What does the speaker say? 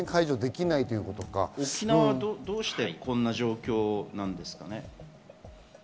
沖縄はどうしてこんな状況なんですか？